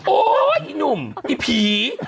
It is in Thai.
โอ้ยนุ่มอีผี